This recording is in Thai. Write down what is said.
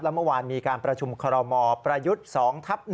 เมื่อวานมีการประชุมคอรมอประยุทธ์๒ทับ๑